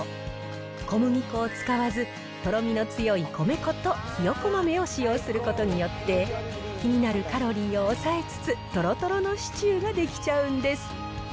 小麦粉を使わず、とろみの強い米粉とひよこ豆を使用することによって、気になるカロリーを抑えつつ、とろとろのシチューが出来ちゃうんです。